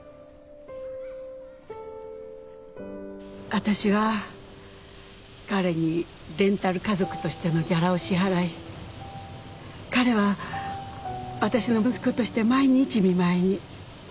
私は彼にレンタル家族としてのギャラを支払い彼は私の息子として毎日見舞いに。